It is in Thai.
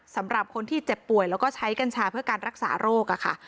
สำหรับคนที่เจ็บป่วยแล้วก็ใช้กัญชาเพื่อการรักษาโรคค่ะ